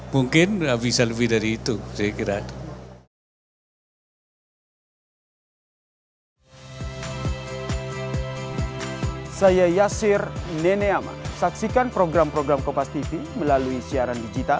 mungkin bisa lebih dari itu saya kira